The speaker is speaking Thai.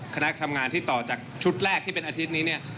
คณะทำงานที่ต่อจากชุดแรกที่เป็นอาทิตย์นี้เนี่ย